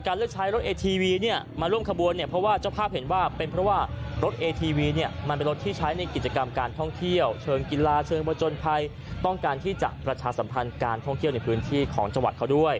เลือกใช้รถเอทีวีเนี่ยมาร่วมขบวนเนี่ยเพราะว่าเจ้าภาพเห็นว่าเป็นเพราะว่ารถเอทีวีเนี่ยมันเป็นรถที่ใช้ในกิจกรรมการท่องเที่ยวเชิงกีฬาเชิงประจนภัยต้องการที่จะประชาสัมพันธ์การท่องเที่ยวในพื้นที่ของจังหวัดเขาด้วย